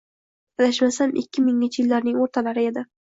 Adashmasam, ikki minginchi yillarning oʻrtalari edi.